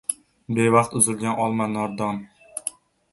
• Bevaqt uzilgan olma ― nordon.